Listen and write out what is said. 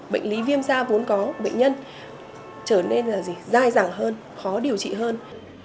bệnh lý viêm da vốn có bệnh nhân trở nên dài dàng hơn khó điều trị hơn